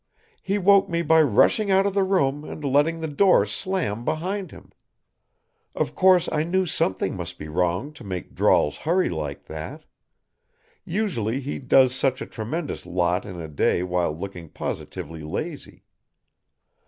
"He woke me by rushing out of the room and letting the door slam behind him. Of course I knew something must be wrong to make Drawls hurry like that. Usually he does such a tremendous lot in a day while looking positively lazy.